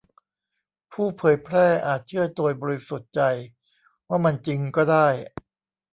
ผู้เผยแพร่อาจเชื่อโดยบริสุทธิ์ใจว่ามันจริงก็ได้